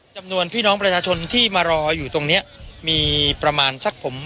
จำนวนพี่น้องประชาชนที่มารออยู่ตรงเนี้ยมีประมาณสักผม